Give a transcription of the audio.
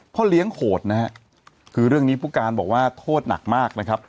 เลี้ยงโหดนะฮะคือเรื่องนี้ผู้การบอกว่าโทษหนักมากนะครับ